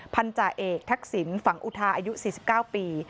พันธาเอกทักษิณฝังอุทาอายุ๔๙ปี